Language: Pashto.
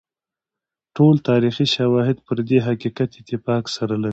ټول تاریخي شواهد پر دې حقیقت اتفاق سره لري.